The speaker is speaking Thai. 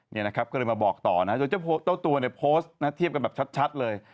นี่นะครับก็เลยมาบอกต่อนะจนเจ้าตัวเนี่ยโพสต์นะเทียบกันแบบชัดเลย